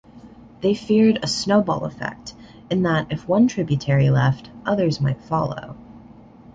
They feared a "snowball effect," in that if one tributary left, others might follow.